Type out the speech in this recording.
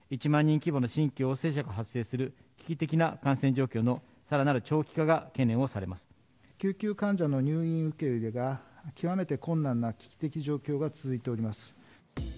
１万人規模の新規陽性者が発生する危機的な感染状況のさらなる長救急患者の入院受け入れが極めて困難な危機的状況が続いております。